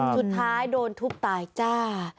สุดท้ายโดนทุบตายจ้า